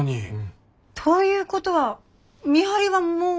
ということは見張りはもう。